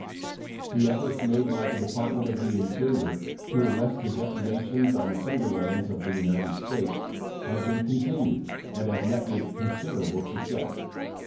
The efforts made by the Department of the Interior to arrest the depredations on the timber lands of the United States have been continued, and have met with considerable success.